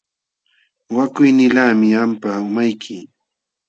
Wakuynilaqmi qampa umayki.